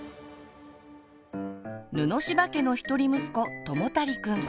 布柴家の一人息子ともたりくん。